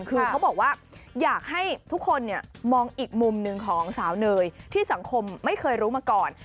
คือเขาบอกว่าอยากให้ทุกคนมองอีกมุมหนึ่งของสาวเนยที่สังคมไม่เคยรู้มาก่อน